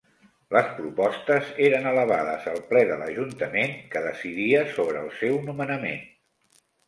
Les propostes eren elevades al ple de l'ajuntament, que decidia sobre el seu nomenament.